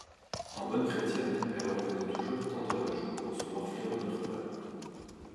En bonne chrétienne, elle revenait toujours tendre la joue pour se morfler une autre vanne.